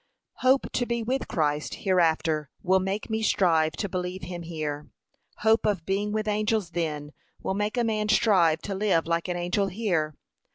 Hope to be with Christ hereafter, will make me strive to believe him here. Hope of being with angels then, will make a man strive to live like an angel here.